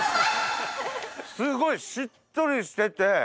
すごいしっとりしてて。